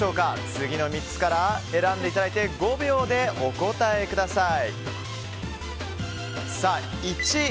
次の３つから選んでいただいて５秒でお答えください。